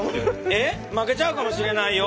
えっ負けちゃうかもしれないよ。